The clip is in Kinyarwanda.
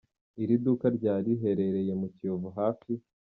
Iri duka rya riherereye mu Kiyovu hafi.